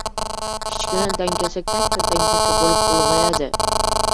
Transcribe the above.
• Kichkina dangasa katta dangasa bo‘lib ulg‘ayadi.